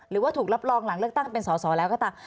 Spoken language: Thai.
หรือว่าถูกรับรองหลังเลือกตั้งเป็นสอสอแล้วก็ตาม